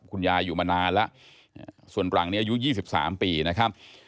คุณยายอยู่มานานแล้วส่วนหลังนี้อายุ๒๓ปีนะครับ